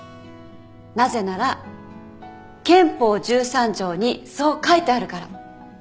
なぜなら憲法１３条にそう書いてあるから。